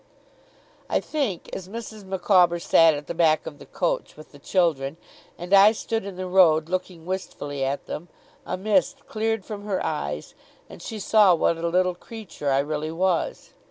I think, as Mrs. Micawber sat at the back of the coach, with the children, and I stood in the road looking wistfully at them, a mist cleared from her eyes, and she saw what a little creature I really was.